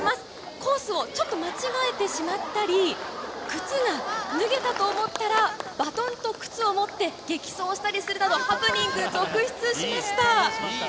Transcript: コースをちょっと間違えてしまったり、靴が脱げたと思ったら、バトンと靴を持って激走したりするなど、ハプニング続出しました。